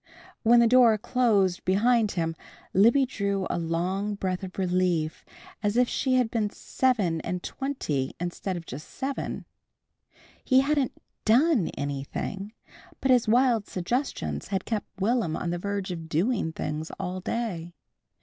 When the door closed behind him Libby drew a long breath of relief as if she had been seven and twenty instead of just seven. He hadn't done anything, but his wild suggestions had kept Will'm on the verge of doing things all day.